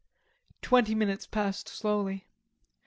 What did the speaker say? Twenty minutes passed slowly.